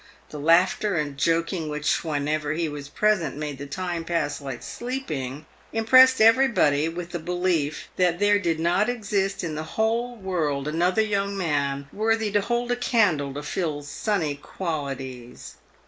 The laughter and joking which whenever he was present made the time pass like sleeping, impressed everybody with the belief that there did not exist in the whole world another young man worthy to hold a candle to Phil's sunny qualities.